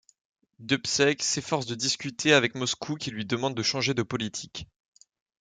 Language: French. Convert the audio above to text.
Dubček s'efforce de discuter avec Moscou qui lui demande de changer de politique.